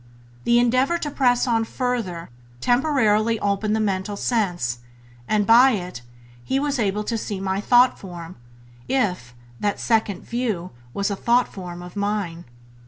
The endeavour to press on further temporarily opened the mental sense, and by it he was able to see my thought form — if that second view was a thought form of mine.